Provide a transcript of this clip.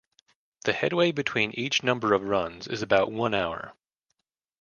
The headway between each number of runs is about one hour.